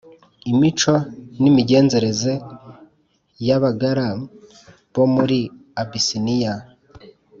imico n’imigenzereze y’abagalla bo muri abisiniya,